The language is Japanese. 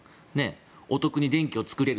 お得に電気を作れる。